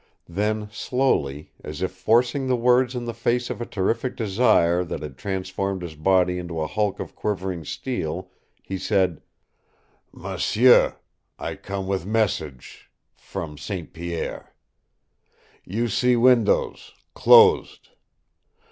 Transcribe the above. Then slowly, as if forcing the words in the face of a terrific desire that had transformed his body into a hulk of quivering steel, he said: "M'sieu I come with message from St. Pierre. You see windows closed.